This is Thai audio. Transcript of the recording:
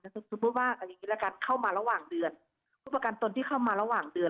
สมมุติว่าเข้ามาระหว่างเดือนผู้ประกันตนที่เข้ามาระหว่างเดือน